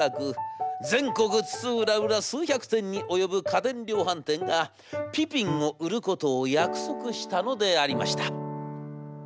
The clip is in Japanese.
全国津々浦々数百店に及ぶ家電量販店がピピンを売ることを約束したのでありました。